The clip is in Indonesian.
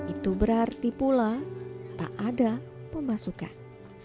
itu berarti pula tak ada pemasukan